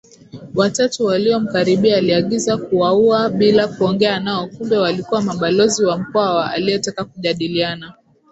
watatu waliomkaribia aliagiza kuwaua bila kuongea nao Kumbe walikuwa mabalozi wa Mkwawa aliyetaka kujadiliana